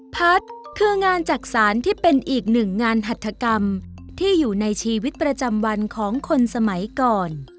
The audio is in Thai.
พัฒน์คืองานจักษานที่เป็นอีกหนึ่งงานหัฐกรรมที่อยู่ในชีวิตประจำวันของคนสมัยก่อน